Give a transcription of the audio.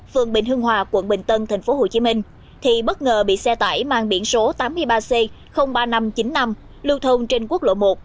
phường bình hưng hòa quận bình tân tp hcm thì bất ngờ bị xe tải mang biển số tám mươi ba c ba nghìn năm trăm chín mươi năm lưu thông trên quốc lộ một